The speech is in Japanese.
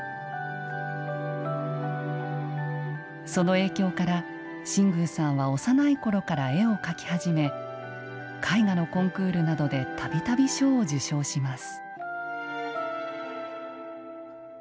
その影響から新宮さんは幼いころから絵を描き始め絵画のコンクールなどで度々賞を受賞します。